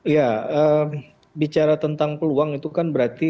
ya bicara tentang peluang itu kan berarti